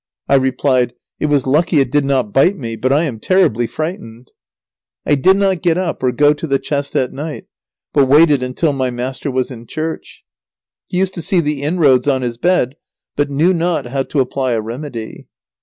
I replied, "It was lucky it did not bite me, but I am terribly frightened." I did not get up or go to the chest at night, but waited until my master was in church. He used to see the inroads on his bread, but knew not how to apply a remedy.